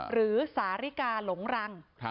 หรือสาริกาหลงรัง